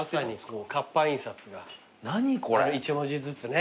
一文字ずつね。